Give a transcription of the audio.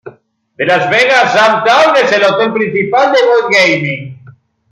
The Las Vegas Sam's Town es el hotel principal de Boyd Gaming.